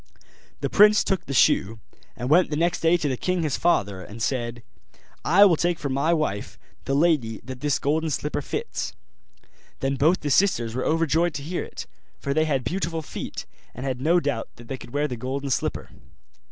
The prince took the shoe, and went the next day to the king his father, and said, 'I will take for my wife the lady that this golden slipper fits.' Then both the sisters were overjoyed to hear it; for they had beautiful feet, and had no doubt that they could wear the golden slipper.